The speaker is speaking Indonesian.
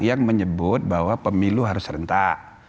yang menyebut bahwa pemilu harus rentak